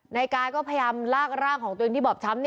ในกายก็พยายามลากร่างของตัวบ่อบช้ำ